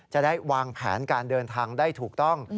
จะได้วางแผนการเดินทางได้ถูกต้อง